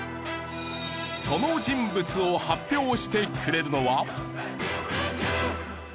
その人物を発表してくれるのは。